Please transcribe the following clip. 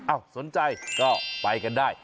อ้าวสนใจก็ไปกันได้